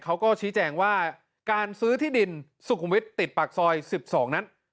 เขาก็ชี้แจงว่าการซื้อที่ดินสุขุมวิทย์ติดปากซอย๑๒นั้น